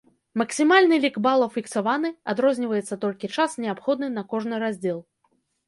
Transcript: Максімальны лік балаў фіксаваны, адрозніваецца толькі час, неабходны на кожны раздзел.